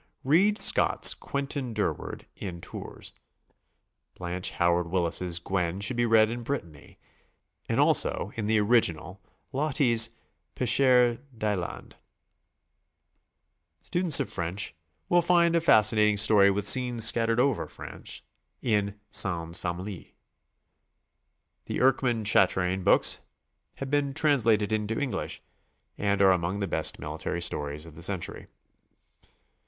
Read Scott's "Quentin Durward" in Tours. Blanche Howard Willis' "Guenn" should be read in Brittany, and also, in the original. Loti's "Pecheur d'Islande." Students of French will find a fas cinating story with scenes scattered over France, in "Sans Famille." The Erckmann Chatrain books have been trans lated into English, and are among the best military stories of the century.